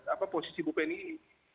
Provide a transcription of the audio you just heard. apa posisi bu penny ini